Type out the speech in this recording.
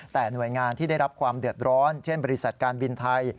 แต่หน่วยงานที่ได้รับความเดือดร้อนเช่นบริษัทการบินไทย